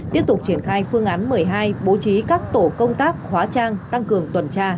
tiếp tục triển khai phương án một mươi hai bố trí các tổ công tác hóa trang tăng cường tuần tra